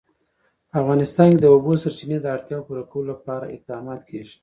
په افغانستان کې د د اوبو سرچینې د اړتیاوو پوره کولو لپاره اقدامات کېږي.